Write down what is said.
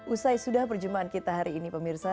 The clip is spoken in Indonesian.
usai sudah perjumpaan kita hari ini pemirsa